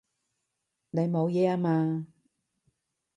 你冇嘢啊嘛？